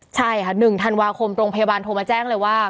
ใช่ค่ะ๑ธันวาคมโรงพยาบาลโทรมาแจ้งเลยว่า